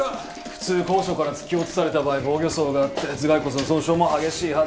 普通高所から突き落とされた場合防御創があって頭蓋骨の損傷も激しいはずだ。